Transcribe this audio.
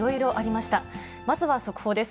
まずは速報です。